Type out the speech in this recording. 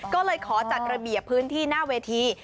ก็เลยขอจัดระเบียบพื้นที่หน้าเวที